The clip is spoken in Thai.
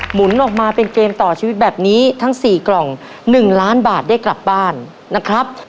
หนุนออกมาเป็นเกมต่อชีวิตแบบนี้ทั้ง๔กล่อง๑ล้านบาทได้กลับบ้านนะครับ